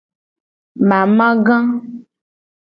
Mamaga.